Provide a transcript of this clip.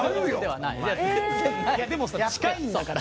でも、近いんだから。